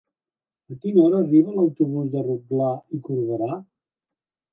A quina hora arriba l'autobús de Rotglà i Corberà?